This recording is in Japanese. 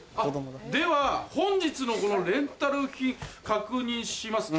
では本日のレンタル費確認します。